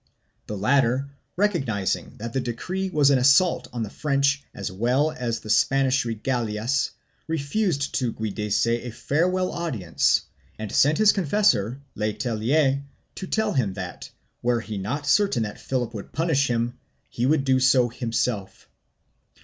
The latter, recognizing that the decree was an assault on the French as well as the Spanish regalias, refused to Oiudice a farewell audience and sent his confessor Le Tellier to tell him that, were he not certain that Philip would punish him condignly, he would do so himself.